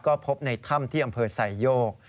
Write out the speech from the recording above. ก็พบในถ้ำที่อำเภอไซโยก